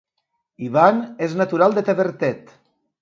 Ivan és natural de Tavertet